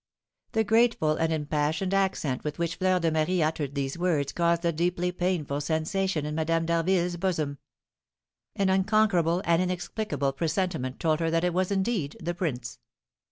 The grateful and impassioned accent with which Fleur de Marie uttered these words caused a deeply painful sensation in Madame d'Harville's bosom. An unconquerable and inexplicable presentiment told her that it was indeed the prince.